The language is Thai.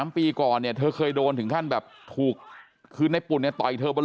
ปีก่อนเนี่ยเธอเคยโดนถึงขั้นแบบถูกคือในปุ่นเนี่ยต่อยเธอบน